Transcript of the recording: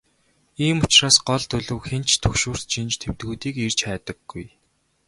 Ийм учраас гол төлөв хэн ч түгшүүрт шинж тэмдгүүдийг эрж хайдаггүй.